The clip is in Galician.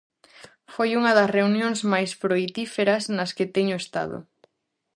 Foi unha das reunións máis froitíferas nas que teño estado.